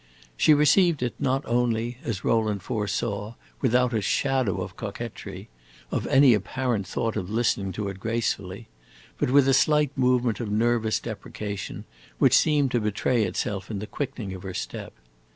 She received it not only, as Rowland foresaw, without a shadow of coquetry, of any apparent thought of listening to it gracefully, but with a slight movement of nervous deprecation, which seemed to betray itself in the quickening of her step.